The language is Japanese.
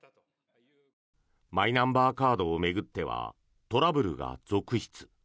マイナンバーカードを巡ってはトラブルが続出。